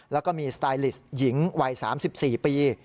แล้วก็มีสไตลิสต์หญิงวัย๓๔ปี